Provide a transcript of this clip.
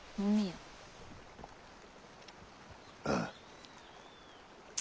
ああ。